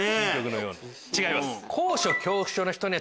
違います。